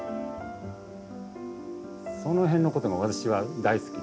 その辺のことが私は大好きで。